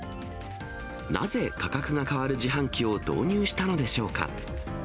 なぜ価格が変わる自販機を導入したのでしょうか。